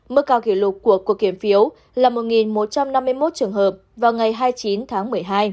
mức cao kỷ lục của cuộc kiểm phiếu là một một trăm năm mươi một trường hợp vào ngày hai mươi chín tháng một mươi hai